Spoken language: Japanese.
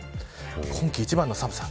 今季一番の寒さ。